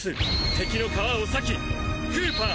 敵の皮を裂きクーパー！